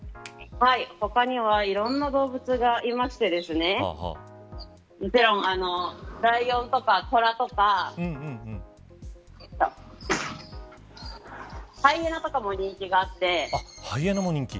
他にはいろんな動物がいましてライオンとか、トラとかハイエナとかも人気があって。